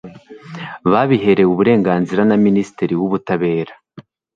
babiherewe uburenganzira na minisitiri w'ubutabera